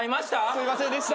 すいませんでした。